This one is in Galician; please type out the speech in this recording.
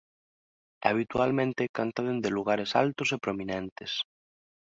Habitualmente canta dende lugares altos e prominentes.